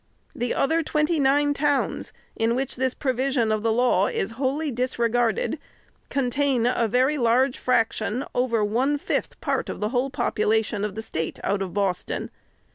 The other twenty nine towns, in which this provision of the law is wholly disregarded, contain a very large frac tion over one fifth part of the whole population of the State, out of Boston.